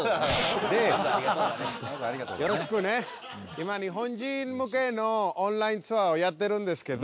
今日本人向けのオンラインツアーをやってるんですけど。